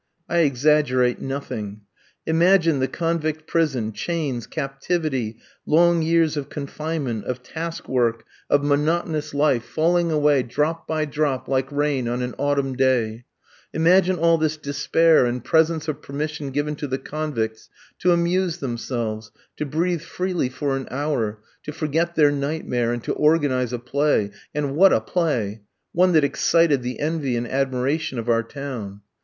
I exaggerate nothing. Imagine the convict prison, chains, captivity, long years of confinement, of task work, of monotonous life, falling away drop by drop like rain on an autumn day; imagine all this despair in presence of permission given to the convicts to amuse themselves, to breathe freely for an hour, to forget their nightmare, and to organise a play and what a play! one that excited the envy and admiration of our town.